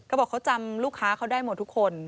ก็บอกเขาจำลูกค้าเขาได้หมดทุกคน